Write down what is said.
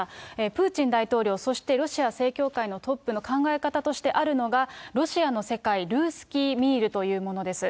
プーチン大統領、そしてロシア正教会のトップの考え方としてあるのが、ロシアの世界、ルースキー・ミールというものです。